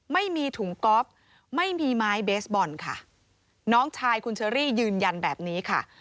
ไม่มีถุงก๊อฟไม่มีไม้เบสบอลค่ะน้องชายคุณเชอรี่ยืนยันแบบนี้ค่ะ